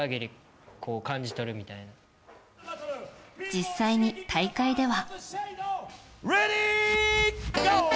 実際に大会では。